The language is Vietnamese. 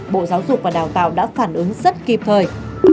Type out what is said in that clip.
bộ giáo dục và đào tạo đã phản ứng rất kịp thời